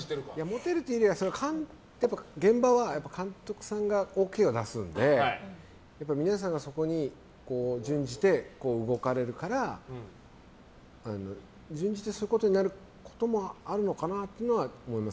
モテるというよりは現場は監督さんがＯＫを出すので皆さんがそこに準じて動くからそういうことになることもあるのかなと思います。